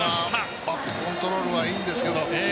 バットコントロールはいいんですけど。